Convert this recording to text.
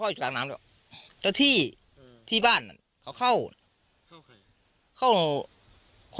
จริงอาจให้พ่อถูกดูก